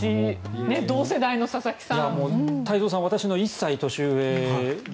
同世代の佐々木さん。